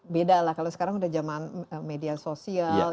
beda lah kalau sekarang sudah jaman media sosial